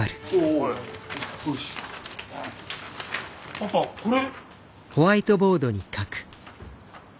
パパこれ。